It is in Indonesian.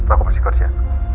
aku masih kursi ya